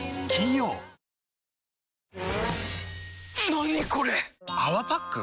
何これ⁉「泡パック」？